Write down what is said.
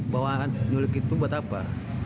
bawaan penculik itu buat apa